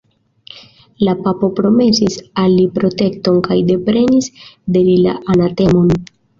La papo promesis al li protekton kaj deprenis de li la anatemon.